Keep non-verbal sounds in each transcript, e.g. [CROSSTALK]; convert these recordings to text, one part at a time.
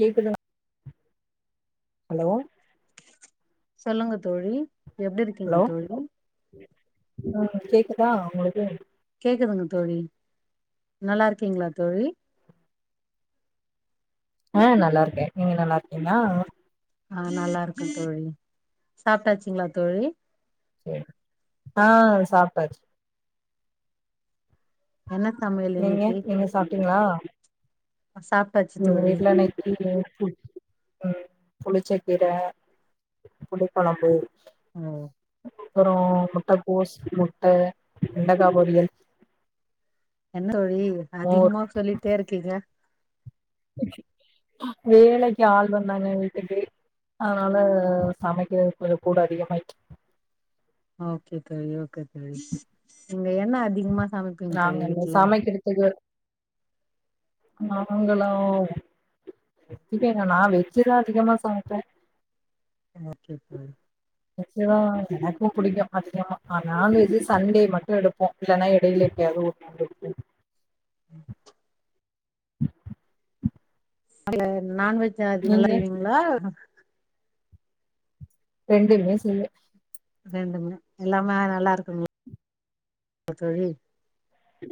கேக்குதா ஹலோ சொல்லுங்க தோழி எப்டி இருக்கீங்க தோழி ம் கேக்குதா உங்களுக்கு கேக்குதுங்க தோழி நல்லா இருக்கீங்ளா தோழி ஆ நல்லா இருக்கே நீங்க நல்லா இருக்கீங்ளா நா நல்லா இருக்க தோழி சாப்ட்டாச்சிங்ளா தோழி ஆ சாப்ட்டாச்சு என்ன சமையல் நீங்க இன்னைக்கி நீங்க சாப்ட்டீங்களா சாப் எங்க வீட்ல இன்னைக்கி இட்லி புளிச்சக்கீர புளி கொழம்பு ஓ அப்றோ முட்டகோஸ் முட்டஹ வெண்டக்கா பொரியல் என்ன தோழி மோர் அதிகமா சொல்லிட்டே இருக்கீங்க வேலைக்கி ஆள் வந்தாங்க வீட்டுக்கு அதனால சமைக்கிறது கொஞ்ச கூட அதிகமாயிட்டு ஓகே தோழி ஓகே தோழி தோழி நாங்கங் அங்க வீட்ல சமைக்கிறதுக்கு நாங்களு இப்ப என்னனா வெஜ்ஜு தா அதிகமா சமப்ப ஓகே தோழி [INAUDIBLE] நிச்சயமா எனக்கு புடிக்கு அதிகமா நான்வெஜ் சண்டே மட்டு எடுப்போ இல்லன்னா எடையில [UNINTELLIGIBLE] [INAUDIBLE] அல்ல நான்வெஜ் அது நீங்க? நல்லா செய்வீங்ளா ரெண்டுமே செய்வே ரெண்டுமே எல்லாமே நல்லா இருக்குங்ள தோழி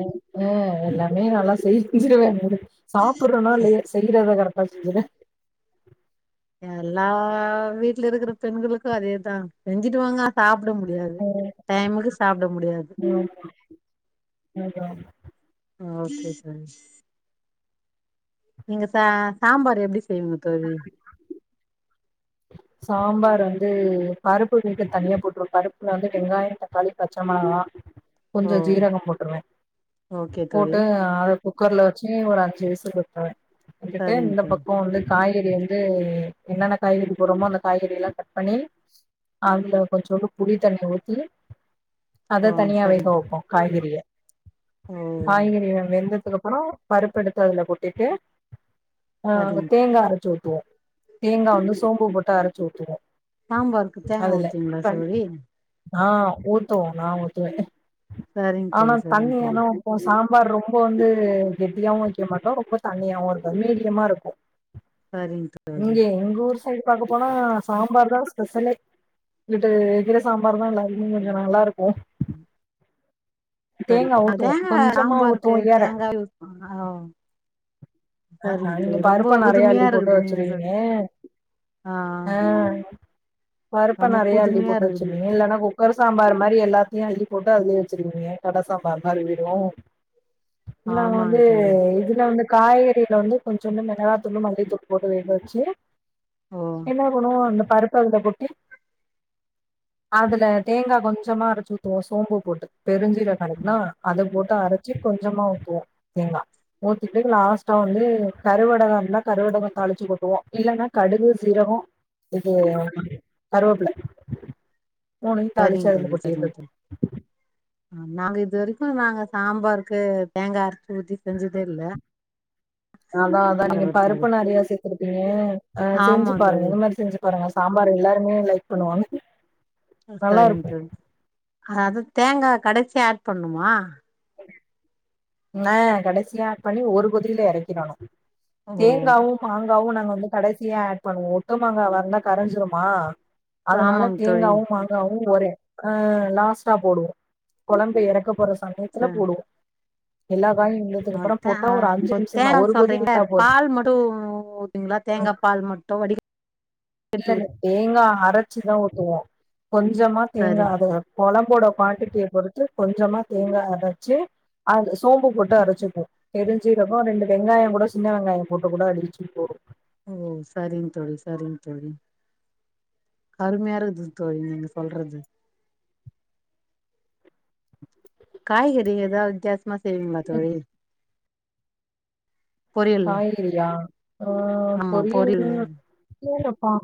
அங்ஙே எல்லாமே நல்லா செஞ்சுருவே சாப்பற்னோ இல்லையோ செய்யறத கரெக்டா செஞ்சிருவே எல்லா வீட்ல இருக்குற பெண்களுக்கு அதேதா செஞ்சிடு வாங்க சாப்ட முடியாது டைமுக்கு சாப்ட முடியாது ஆமா [UNINTELLIGIBLE] ஓ செர் செரிமா நீங்க ச சாம்பார் எப்டி செய்வீங்க தோழி சாம்பார் வந்து பருப்பு வேக தனியா போட்டுருவ பருப்புல வந்து வெங்காய தக்காளி பச்சை மெளகா ஓ கொஞ்சோ ஜீரகம் போட்டுருவ ஓகே தோழி போட்டு அத குக்கர்ல வெச்சு ஒரு அஞ்சு விசில் விட்ருவே விட்டுட்டு இந்த சரிங்க தோழி பக்கோ வந்து காய்கறி வந்து என்னென்ன காய்கறி அப்புறமா அந்த காய்கறி எல்‌‌‍லா கட் பண்ணி அதுல கொஞ்சோண்டு புளி தண்ணி ஊத்தி ஓ அத தனியா வேக சரிங்க தோழி வெப்போ காய்கறிய ஓ காய்கறிய வெந்ததுக்கு அப்பறோ பருப்பெடுத்து அதுல கொட்டிட்டு அ சரிங்க தேங்கா அரைச்சு ஊத்துவோ தேங்கா வந்து சோம்பு போட்டு அரைச்சு ஊத்துவோ சம்பாருக்கு தேங்கா அதுல ஊத்துவீங்ளா தோழி ஆ ஊத்துவோ நா ஊத்துவே சரிங்க ஆனா தோழி சரிங்க தோழி தண்ணியானா உ சாம்பார் ரொம்ப வந்து கெட்டியாவு வெக்க மாட்டோ ரொம்ப தண்ணியாவு இருக்காது மீடியமா இருக்கு சரிங்க தோழி இங்க எங்க ஊர் சைடு பாக்க போனா சாம்பார் தா ஸ்பெஷலே இங்குட்டு கீரை சாம்பார் தா எல்லாருக்குமே கொஞ்சம் நல்லா இருக்கு சரி தேங்கா என்னாதே ஊத்துவோ கொஞ்சமா சம்பாருக்கு ஊத்துவோ ஏற தேங்கா யூஸ் பண் [UNINTELLIGIBLE] ஓ ஆஹா சரிங்க நீங்க தோழி ரொம்போ பருப்ப நெறையா அள்ளி புதுமையா போட்டு இருக்குது நீங்க சொ வச்சிருவீங்க ஆ ஆ வொரப்ப நெறையா அள்ளி புதுமையா போட்டு இருக்குது வெச்சிருவீங்க இல்லனா கூ கொற சாம்பார் மாரி எல்லாத்தியு இது போட்டு அதுலயே வச்சுருக்வீங்க கட சாம்பார் மாரி விடு நாங்க வந்து ஆமாங்க தோழி இதுலா வந்து காய்கறில வந்து கொஞ்சோண்டு மிளகா தூளு மல்லித்தூளு போட்டு வேக வெச்சு ஓ என்ன பண்ணுவோ இந்த பருப்ப அதுல கொட்டி அதுல தேங்கா கொஞ்சமா அரைச்சு ஊத்துவோ சோம்பு போட்டு பெருஞ்சீரக கெடக்குனா ம் அத போட்டு அரைச்சி கொஞ்சமா ஊத்துவோ தேங்கா ஊத்திட்டு லாஸ்ட்டா வந்து கருவடக இருந்தா கருவடகொ தாளிச்சு கொட்டுவோ இல்லன்னா கடுகு சீரக இது கருவேப்பிள மூணயு தாளிச்சு சரிங் அதுல தோழி சரிங் கொட்டிர்ரத் தோழி நாங்க இது வரைக்கு நாங்க சாம்பாருக்கு தேங்கா அரைச்சு ஊத்தி செஞ்சதே இல்ல அதா அதா நீங்க பரவா தோழி பருப்பு நெறைய சேத்திருப்பீங்க அ ஆமா செஞ்சு பாருங்க தோழி இந்த மாரி செஞ்சுப் பாருங்க சாம்பார் எல்லாருமே லைக் பண்ணுவாங்க நல்லா சரிங் இருக்கு தோழி அது தேங்கா கடசியா ஆட் பண்ணுமா [INAUDIBLE] அ கடசியா ஆட் பண்ணி ஒரு கொதியில எறக்கிடணு ஓ தேங்காவு மாங்காவு நாங்க வந்து கடசியா ஆட் பண்ணுவோ ஒட்டு மாங்காவா இருந்தா கரஞ்சிருமா அதுனால ஆமாங் தோழி தேங்காவு மாங்காவு ஒரு ஆ லாஸ்ட்டா போடுவோ கொழம்பு எறக்க போற சமயத்துல போடுவோ எல்லா காயு இவுங்ளு அத்தா இப்ப தேங்கா சொல்றீங்ள விட்டா போது பால் மட்டு ஊத் தீங்களா தேங்கா பால் மட்டு வடிகட் இல்ல தேங்கா அரச்சிதா ஊத்துவோ கொஞ்சமா சரி தேங்கா அத கொழம்போட குவான்டிட்டிய பொருத்து கொஞ்சமா தேங்கா அரச்சு அ சோம்பு போட்டு அரச்சிப்போ பெரூஞ்சீரக ரெண்டு வெங்காயோ கூட சின்ன வெங்காயோ போட்டு கூட அடிச்சீ போடுவோ ஓ சரிங் தோழி சரிங் தோழி அருமையா இருக்குது தோழி நீங்க சொல்றது [INAUDIBLE] காய்கறி எதாவுது வித்யாசமா செய்விங்களா தோழி பொரியல் காய்கறியா ஆ பொரியல் கூடப்பா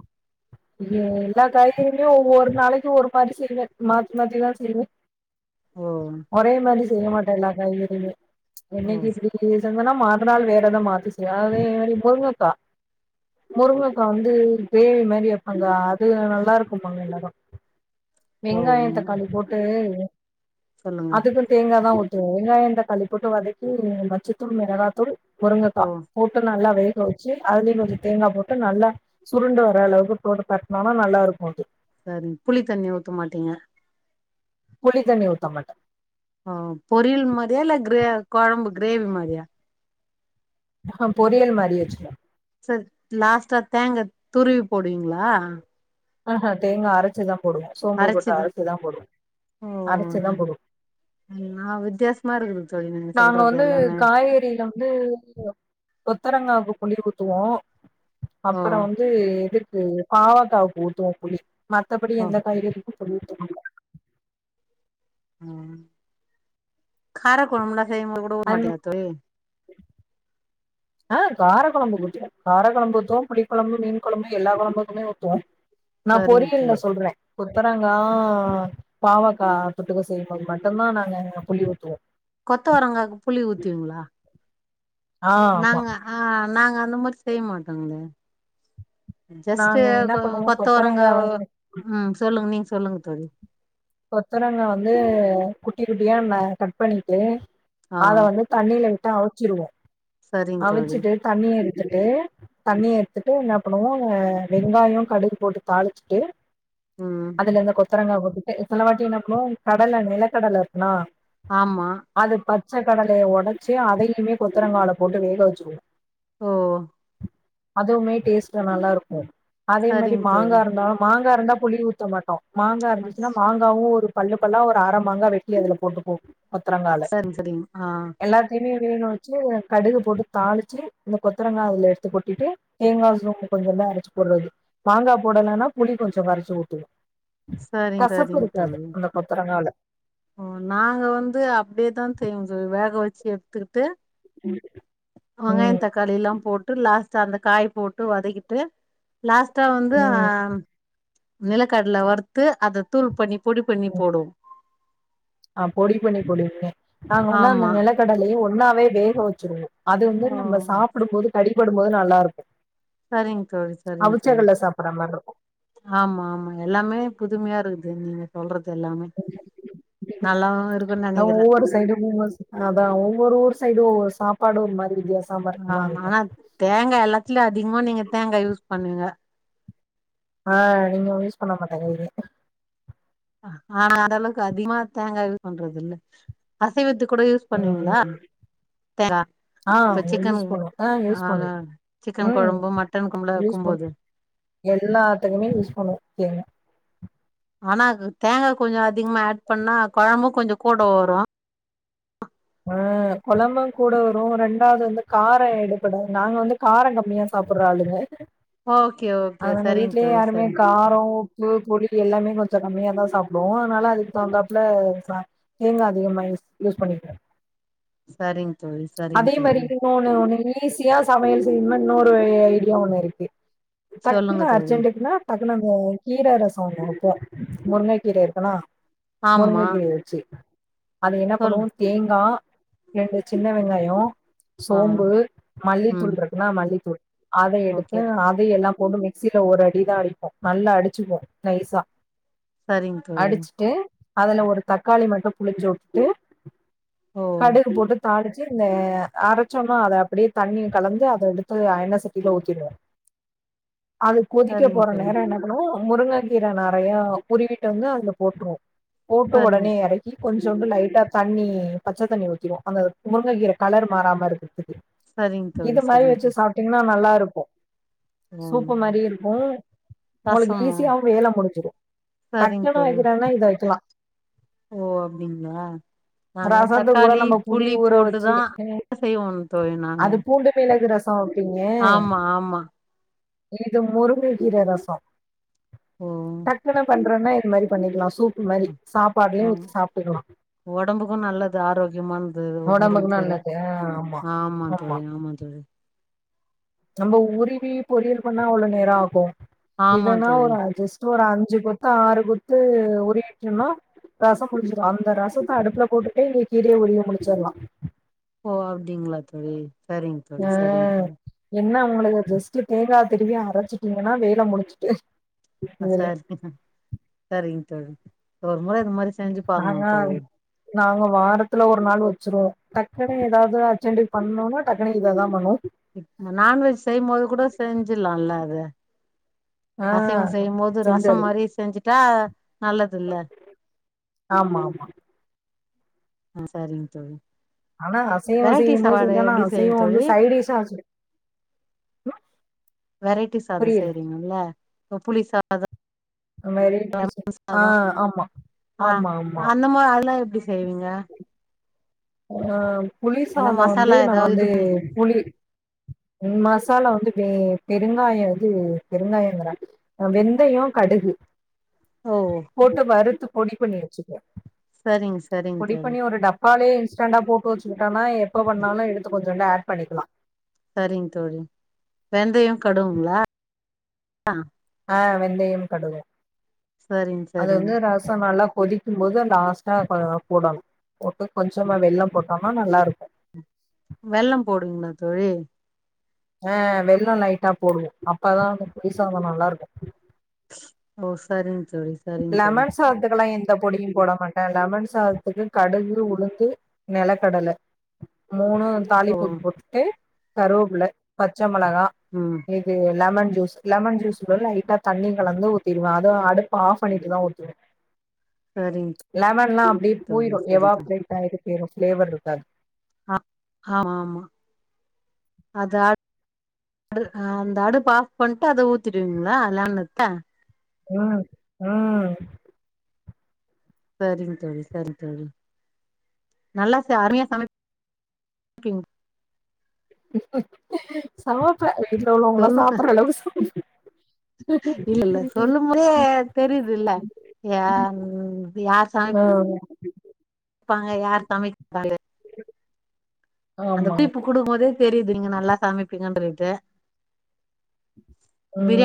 ஏ எல்லா காய்கறியுமே ஒவ்வொரு நாளைக்கு ஒரு மாரி செய்வே மாத்தி மாத்திதா செய்வே [INAUDIBLE] ஓ ஒரே மாரி செய்ய மாட்டே எல்லா காய்கறியுமே ஓ இன்னக்கி இப்டி செஞ்சன்னா மறுநாள் வேற வேற மாரி செய்வே அதே மாரி முருங்கக்கா முருங்கக்கா வந்து க்ரேவி மாரி வெப்பக்கா அது நல்லா இருக்கும்பாங்க எல்லாரு ஓ வெங்காயோ ம் தக்காளி போட்டு சொல்லுங்க அதுக்கு தேங்கா தா ஊத்துவே வெங்காயோ தக்காளி போட்டு வதக்கி வச்சுட்டு மிளகாத்தூள் முருங்கக்கா ஓ போட்டு நல்லா வேக வச்சு அதுலயு கொஞ்சோ தேங்கா போட்டு நல்லா சுருண்டு வர அளவுக்கு போட்டு பெரட்னாதா நல்லா இருக்கு அது சரி புளி தண்ணி ஊத்த மாட்டீங்க புளிதண்ணி ஊத்தமாட்ட அ பொரியல் மாரியா இல்ல கிரே கொழம்பு கிரேவி மாரியா அஹூ பொரியல் மாரி வச்சிருவ சரி லாஸ்டா தேங்கா துருவி போடுவிங்ளா ஆஹூ தேங்கா அரச்சிதா போடுவோ சோம்பு போட்டு அரச்சிதா போடுவோ... அரச்சிதா போடுவோ அ எல்லா வித்தியாசமா இருக்குது தோழி நீங்க சொல்றது எல்லாமே காய்கறியில்லா வந்து கொத்தரங்காவுக்கு புளி ஊத்துவோ ஓ அப்றோ வந்து இதுக்கு பாவக்காவுக்கு ஊத்துவோ புளி மத்தபடி ஓ எந்த காய்கறி சொல்லிட் இருந்தாங்க அ கார கொலம்புலா செய்யவுடவு அந் மாட்டங்களா தோழி ஆ கார கொழம்பு ஊத்துவோ கார கொழம்பு ஊத்துவோ புளி கொழம்பு மீன் கொழம்பு எல்லா கொழம்புக்குமே ஊத்துவோ நா சரிங்க பொரியல்ல தோழி சொல்றே கொத்தரங்கா பாவக்கா புட்டுக்க செய்யுபோது மட்டுதா நாங்க புளி ஊத்துவோ கொத்த வரங்காக்கு புளி ஊத்துவீங்களா ஆ ஆமா நாங்க ஆ நாங்க அந்த மாரி செய்ய மாட்டேங்ளே ஜஸ்ட்டு நாங்க என்ன கொ பண்ணுவோ கொத்தவரங்க கொத்தரங்கா வந்து ம் சொல்லுங் நீங் சொல்லுங்க தோழி கொத்தரங்க வந்து குட்டி குட்டியா ந கட் பண்ணிட்டு ஆ அத வந் தண்ணில விட்டு அவிச்சிருவோ சரிங்க தோழி அவிச்சிட்டு தண்ணி எடுத்துட்டு தண்ணிய எடுத்துட்டு என்ன பண்ணுவோ வெங்காயோ கடுகு போட்டு தாளிச்சுட்டு ம் அதுல இந்த கொத்தரங்கா போட்டுட்டு சில வாட்டி என்ன பண்ணுவோ கடல நிலக்கடல இருக்மா ஆமா அது பச்ச கடலைய ஒடச்சு அதையுமே கொத்தரங்கால போட்டு வேக வச்சுருவோ ஓ அதுவுமே டேஸ்ட்டு நல்லா இருக்கு அதே மாரி சரிங்க தோழி மாங்கா இருந்தா மாங்கா இருந்தா புளி ஊத் த மாட்டோ மாங்கா ஆ, இருந்துச்சுன்னா மாங்காவு ஒரு பல்லு பல்லா ஒரு அர மாங்கா வெட்டி அதுல போட்டுபோ கொத்தரங்கால சரிங்க சரிங்க ஆ எல்லாத்தையுமே வேக வச்சு கடுகு போட்டு தாளிச்சு இந்த கொத்தரங்கா அதுல எடுத்து கொட்டிட்டு தேங்கா சு கொஞ்சமா அரச்சு போற்றது மாங்கா போடலனா புளி கொஞ்ச கரச்சு ஊத்துவோ சரிங்க கசப்பு சரிங்க இருக்காது தோழி அந்த கொத்தரங்கால ஓ நாங்க வந்து அப்படியேதா தெயு வேக வச்சு எடுத்துட்டு ம் வெங்காயோ தக்காளில்லா போட்டு லாஸ்ட்டா அந்த காய் போட்டு வதக்கிட்டு லாஸ்ட்டா வந்து ஆ ம் நிலக்கடல வறுத்து அத தூள் பண்ணி பொடி பண்ணி போடும் ஆ பொடி பண்ணி பொடி பண்ணி நாங்க வந்து அந்த ஆமா நிலக்கடலையு ஒன்னாவே வேக வச்சிருவோ அது வந்து ஓ நம்ம சாப்புடும்போது கடிப்படும்போது நல்லா இருக்கு சரிங்க தோழி சரிங்க தோழி அவுச்சகல்ல சாப்பற மாரி இருக்கு ஆமா ஆமா எல்லாமே புதுமையா இருக்குது நீங்க சொல்றது எல்லாமே நல்லாவு இருக்குன்னு அ நினைக்கிறே ஒவ்வொரு சைடு [UNINTELLIGIBLE] அதா ஒவ்வொரு ஊர் சைடு சாப்பாடு ஒரு மாரி வித்தியாச ஆமா ஆனா தேங்கா எல்லாத்துலயு அதிகமா நீங்க தேங்கா யூஸ் பண்ணுவீங்க ஆ இங்க யூஸ் பண்ண மாட்டங்க ஆனா அந்த அளவுக்கு அதிகமா தேங்கா யூஸ் பண்றது இல்ல அசைவத்து கூட யூஸ் ம் பண்ணீவீங்களா தேங் ஆ யூஸ் பண்ணுவோ ஆ யூஸ் பண் சிக்கன் ம் கொழம்பு மட்டன் கொழம்புலா யூஸ் வைக்கும்போது எல்லாத்துக்குமே யூஸ் பண்ணுவோ தேங் ஆனா தேங்கா கொஞ்சோ அதிகமா ஆட் பண்ணா கொழம்பு கொஞ்ச கூட வரு ஆ கொழம்பு கூட வரு ரெண்டாவது வந்து காரொ எடுபடு நாங்க வந்து காரொ கம்மியா சாப்பிற்ற ஆளுங்க ஓகே அ ஓகே நாங்க சரிங்க வீட்லயே தோழி யாருமே சரிங்க காரொ உப்பு பொடி எல்லாமே கொஞ்ச கம்மியா தா சாப்டுவோ அதனால அதுக்கு தகுந்தாப்புல தேங்கா அதிகமா யூஸ் பண்ணிக்றே சரிங் தோழி சரிங்க அதே மாரி தோழி இன்னொண்ணு ஒண்ணு ஈஸியா சமையல் செய்யணுனா இன்னொரு ஐடியா ஒண்ணு இருக்கு சொல்லுங்க டக்குன்னா தோழி அர்ஜென்ட்டுக்குனா அது நம்போ கீர ரசோ ஒன்னு வெப்போ முருங்க கீர இருக்குன்னா ஆமா முருங்ககீர வச்சு அது என்ன சொல்லு பண்ணுவோ தேங்கா ரெண்டு சின்ன வெங்காயோ ஆ சோம்பு ம் மல்லித்தூள் ரெ னா மல்லித்தூள் அத எடுத்து ஓகே அத் எல்லா போட்டு மிக்சில ஒரு அடிதா அடிப்போ நல்லா அடிச்சுப்போ நைஸா சரிங்க தோழி அடிச்சுட்டு அதுல ஒரு தக்காளி மட்டு புழிஞ்சுவுட்டு ஓ கடுகு போட்டு தாளிச் சு இந்த அரைச்சோமா அத அப்படியே தண்ணிய கலந்து அத எடுத்து ஆ எண்ணெ சட்டியில ஊத்திடுவோ அது கொதிக்க சரிங்க போற தோழி நேர என்ன பண்ணனு முருங்கக்கீர நறையா உருவிட்டு வந்து அதுல போட்ருவோ போட்டு சரிங்க ஒடனே எற க்கி கொஞ்சோண்டு லைட்டா தண்ணி பச்ச தண்ணி ஊத்திடுவோ அந்த முருங்ககீர கலர் மாறாம இருக்கறத்துக்கு சரிங்க தோழி இது மாரி சரிங்க வச்சு தோழி சாப் ட்டீங்கன்னா நல்லாருக்கு ஓ சூப்பு மாரி இருக்கு உங்களுக்கு ரசமா ஈஸியாவு வேல முடிச்சிடும் சரிங்க டக்குனு தோழி வக்கிணுன்னா இத வக்கலா ஓ அப்டிங்ளா ரசத்துக் கூட நம்ப புளி ஊற வச்சி போட்டுதா ம் செய்வோம் தோழி நாங்க அது பூண்டு மிளக்கு ரஸ் ஸோ வப்பீங்க ஆமா ஆமா இது முருங்க கீர ரஸோ ஓ டக்குனு பண்றன்னா இது மாரி பண்ணிக்கலா சூப் இந்த மாரி ஆ சாப்பாட்லயு ஊத்தி சாப்ட்டுக்கலா ஒடம்புக்கு நல்லது ஆரோக்கியமான் து ஒடம்புக்கு முருங்கக்கீர நல்லது ஆ ஆமா தோழி ஆமா தோழி நம்ப உருவி பொறியல் பண்ணா அவ்ளோ நேர ஆகு ஆமா இதன்னா தோழி ஒரு அஜஸ் ஒரு அஞ்சு கொத்து ஆறு கொத்து உருவிக்கணு ரசம் முடிஞ்சிடு அந்த ரசத்த அடுப்புல போட்டுட்டே இந்த கீரைய உருவி முடிச்சிட்லா ஓ அப்டிங்ளா தோழி சரிங்க தோழி ஆ சரிங்க தோழி என்ன உங்களுக்கு ஜஸ்ட்டு தேங்கா திருவி அரச்சுட்டீங்கன்னா வேல முடிச்சுட்டு ஆ சரி சரிங்க தோழி ஒரு முற இது மாரி செஞ்சு பாக்கணு நாங்க தோழி நாங்க வாரத்துல ஒரு நாள் வச்சிருவோ டக்குனு எதாவது அர்ஜெண்டுக்கு பண்ணும்னா டக்குனு இததா பண்ணுவோ நான்வெஜ் செய்யும் போது கூட செஞ்சுலால அத ஆ அசைவம் செய்யும் போது ரசம் செஞ்சது மாரி செஞ்சுட்டா நல்லதுல்ல ஆமா ஆமா ஆ சரிங்க தோழி ஆனா அசைவ வெரைட்டி செய்யும் போது சாப்பாடு செஞ்சோன்னா எப்டி அசைவ செய்வீங்க வந்து தோழி சைடிஷா வெரைட்டி சாத புரியல செய்றீங்கல்ல ஆ புளி சாத அது மாரி [UNINTELLIGIBLE] சாத ஆ ஆமா அந்த மா அதெல்லா எப்டி செய்வீங்க ஆ புளி எல்லா சாதோ வந்து மசாலா நா ஏதாவது இது வந்து பண்ணி புளி ம் மசாலா வந்து பெ பெருங்காய அது பெருங்காயங்கிற ஆ வெந்தயம் கடுகு ஓ போட்டு வறுத்து பொடி பண்ணி வச்சுப்போ சரிங்க சரிங்க பொடி தோழி பண்ணி ஒரு டப் காலையே இன்ஸ்டண்டா போட்டு வச்சுக்கிட்டன்னா எப்ப வேண்ணாலு எடுத்து கொஞ்சோண்டு ஆட் பண்ணிக்கலா சரிங் தோழி வெந்தய கடுவுங்களா ஆ வெந்தயம் கடுகு சரிங்க அது சரிங்க வந்து ரஸ் ஸோ நல்லா கொதிக்கும் போது லாஸ்ட்டா கொ போடணு போட்டு கொஞ்சமா வெல்லம் போட்டோம்னா நல்லாருக்கு வெல்லம் போடுவிங்களா தோழி ஆ வெல்லம் லைட்டா போடுவோ அப்பதா அந்த புளிசாத நல்லாருக்கு ஓ சரிங்க தோழி சரிங்க தோழி லெமன் சாத்துக்கெல்லா எந்த பொடியு போட மாட்ட லெமன் சாதத்துக்கு கடுகு உளுந்து நெலக்கடல மூணு ஓ தாளிப்பூக்கு போட்டுட்டு கருவேப்பள்ள பச்ச மெளகா ம். இது லெமன் ஜூஸ். லெமன் ஜூஸ் வுட லைட்டா தண்ணி கலந்து ஊத்திடுவேன அதுவும் அடு.. ஆப் பண்ணிட்டுதா ஊத்துவே சரிங்க லெமன்லா அப்டியே தோழி போயிரு சரி எவாப்ரேட். [UNINTELLIGIBLE] ஃப்ளேவர் இருக்காது ஆ ஆமாமா அதா அந்த அடுப்பு ஆஃப் பண்ணிட்டு அத ஊத்திடுவீங்களா [UNINTELLIGIBLE] ம் ம் சரிங்க தோழி! சரி சரி நல்லா அருமையா சமை சமைப்பே வீட்ல உள்ளவங்கல்லா சாப்டற அளவுக்கு சமை இல்லல்ல சொல்லும் போதே தெரியுதுல்ல யாரு சமை. [UNINTELLIGIBLE] இருப்பாங்! யார் சமைக்கறாங்க அந்த ஆமாங்க குறிப்பு குடுக்கும்போதே தெரிது நீங்க நல்லா சமைப்பீங்கன்றது! ம் ம்